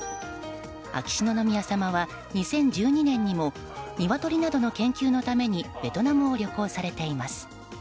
秋篠宮さまは２０１２年にもニワトリなどの研究のためにベトナムを旅行されています。